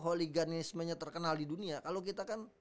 holiganismenya terkenal di dunia kalau kita kan